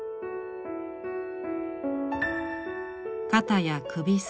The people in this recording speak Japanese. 肩や首筋。